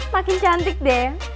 makin cantik deh